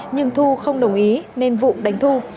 nhưng thu không đồng ý nên vũ đánh thu